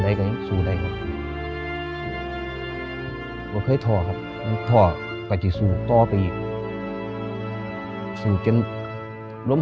และอยากใส่มีแล้วผมก็จะสืบทีให้เฮฟบ้านให้ลูกอยู่ครับ